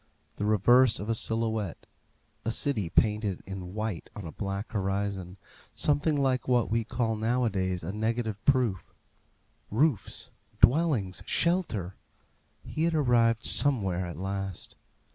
The reverse of a silhouette a city painted in white on a black horizon, something like what we call nowadays a negative proof. Roofs dwellings shelter! He had arrived somewhere at last.